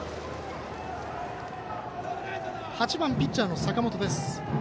８番、ピッチャーの坂本です。